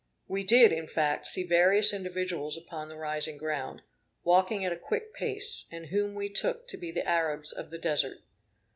We did, in fact, see various individuals upon the rising ground, walking at a quick pace, and whom we took to be the Arabs of the Desert.